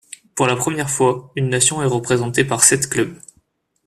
Pour la première fois, une nation est représentée par sept clubs.